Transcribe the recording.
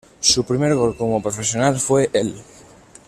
Su Primer Gol Como Profesional fue el.